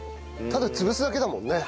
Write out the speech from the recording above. ただ潰すだけだもんね。